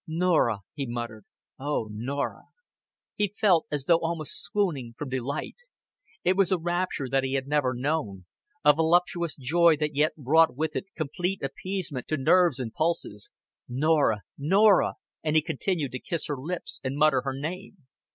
"Norah," he muttered. "Oh, Norah." He felt as though almost swooning from delight. It was a rapture that he had never known a voluptuous joy that yet brought with it complete appeasement to nerves and pulses. "Norah, Norah;" and he continued to kiss her lips and mutter her name.